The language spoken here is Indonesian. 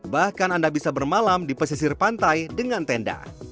bahkan anda bisa bermalam di pesisir pantai dengan tenda